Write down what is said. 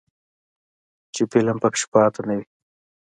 چې فلم پکې پاتې نه وي.